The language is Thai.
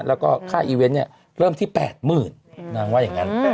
แล้วก็ค่าอีเวนต์เนี่ยเริ่มที่๘๐๐๐นางว่าอย่างนั้น